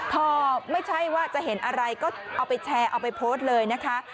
พอไม่ใช่ว่าจะเห็นอะไรก็เอาไปแชร์เอาไปโพสต์เลยนะคะ